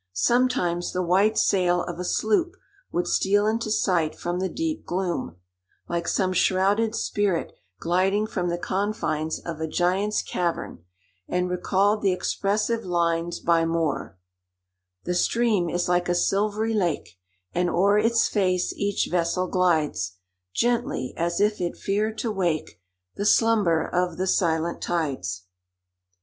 Sometimes the white sail of a sloop would steal into sight from the deep gloom, like some shrouded spirit gliding from the confines of a giant's cavern, and recalled the expressive lines by Moore:— "The stream is like a silvery lake, And o'er its face each vessel glides Gently, as if it feared to wake The slumber of the silent tides."